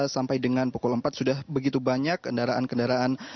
sampai dengan pukul empat sudah begitu banyak kendaraan kendaraan